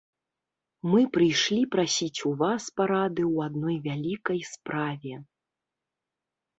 Мы прыйшлі прасіць у вас парады ў адной вялікай справе.